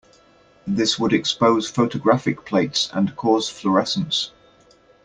This would expose photographic plates and cause fluorescence.